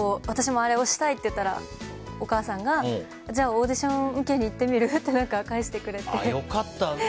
私もあれを押したいと言ったらお母さんが、じゃあオーディション受けに行ってみる？って返してくれて。